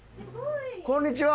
こんにちは。